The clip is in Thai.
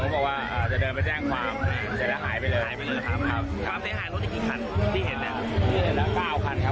พอผมลงมาสัมภาษณ์